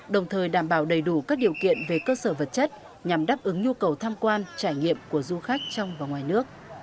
đồng thời đảm bảo đầy đủ các điều kiện về cơ sở vật chất nhằm đáp ứng nhu cầu tham quan trải nghiệm của du khách trong và ngoài nước